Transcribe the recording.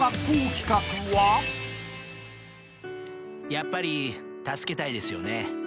やっぱり助けたいですよね。